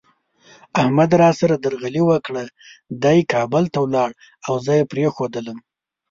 احمد را سره درغلي وکړه، دی کابل ته ولاړ او زه یې پرېښودلم.